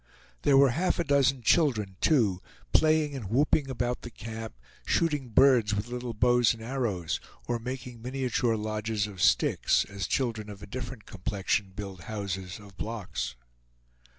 There were half a dozen children, too, playing and whooping about the camp, shooting birds with little bows and arrows, or making miniature lodges of sticks, as children of a different complexion build houses of blocks.